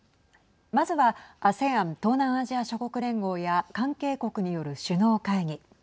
まずはＡＳＥＡＮ＝東南アジア諸国連合や関係国による首脳会議。